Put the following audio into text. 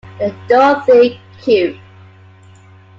The 'Dorothy Q.